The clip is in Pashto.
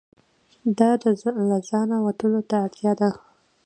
دا له ځانه وتلو اړتیا ده.